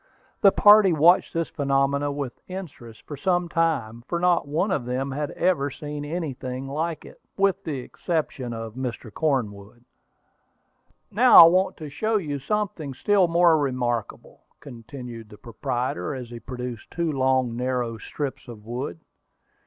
The party watched this phenomenon with interest for some time, for not one of them had ever seen anything like it, with the exception of Mr. Cornwood. "Now, I want to show you something still more remarkable," continued the proprietor, as he produced two long, narrow strips of board.